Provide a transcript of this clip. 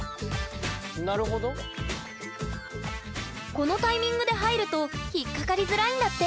このタイミングで入ると引っ掛かりづらいんだって！